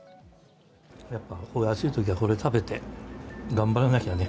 やっぱ暑いときは、これ食べて、頑張らなきゃね。